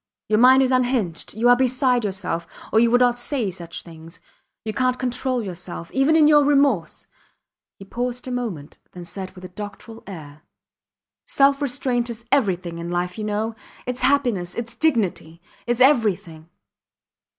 Your mind is unhinged. You are beside yourself, or you would not say such things. You cant control yourself. Even in your remorse ... He paused a moment, then said with a doctoral air: Self restraint is everything in life, you know. Its happiness, its dignity ... its everything.